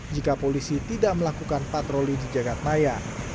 jika polisi tidak melakukan patroli di jagadmaya